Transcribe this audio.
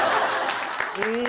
うん。